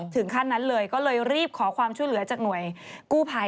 ถึงขั้นนั้นเลยก็เลยรีบขอความช่วยเหลือจากหน่วยกู้ภัย